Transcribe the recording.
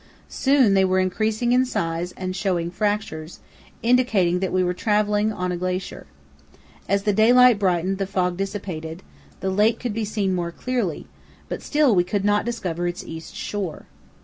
Soon they were increasing in size and showing fractures, indicating that we were travelling on a glacier. As the daylight brightened the fog dissipated; the lake could be seen more clearly, but still we could not discover its east shore.